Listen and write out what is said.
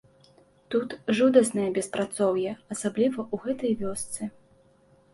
Тут жудаснае беспрацоўе, асабліва ў гэтай вёсцы.